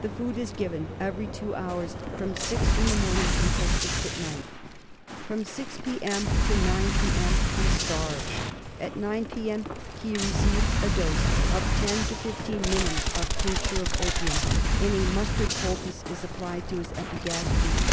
The food is given every two hours from six in the morning until six at night. From 6 p.m. to 9 p.m. he starves. At 9 p.m. he receives a dose of 10 to 15 minims of tincture of opium, and a mustard poultice is applied to his epigastrium.